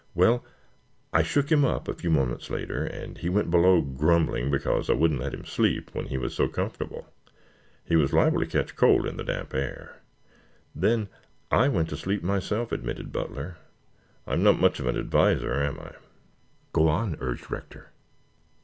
Well, I shook him up a few moments later and he went below grumbling because I wouldn't let him sleep when he was so comfortable. He was liable to catch cold in the damp air. Then I went to sleep myself," admitted Butler. "I'm not much of an adviser, am I?" "Go on," urged Rector.